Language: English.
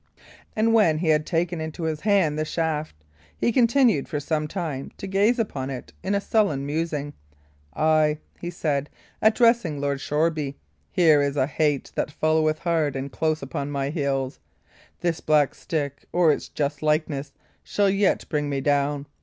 And when he had taken into his hand the shaft, he continued for some time to gaze upon it in a sullen musing. "Ay," he said, addressing Lord Shoreby, "here is a hate that followeth hard and close upon my heels. This black stick, or its just likeness, shall yet bring me down.